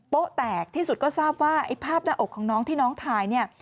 โป๊ะแตกที่สุดก็ทราบว่าภาพหน้าอกของน้องที่น้องถ่าย